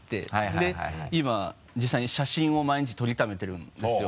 で今実際に写真を毎日撮りためてるんですよ。